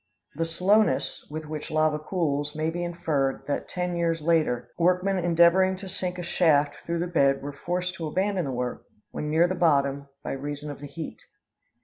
The slowness with which lava cools may be inferred that ten years later, workmen endeavoring to sink a shaft through the bed were forced to abandon the work when near the bottom, by reason of the heat.